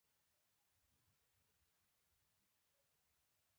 خټکی د خوراک په میز ښه ښکاري.